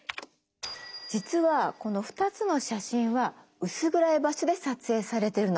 実はこの２つの写真は薄暗い場所で撮影されてるの。